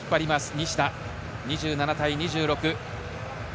西田、２７対２６。